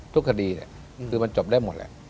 ทุกคดีคือมันจบได้หมดแหละ